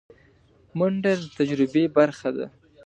منډه د تجربې برخه ده